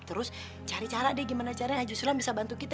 terus cari cara deh gimana caranya justruan bisa bantu kita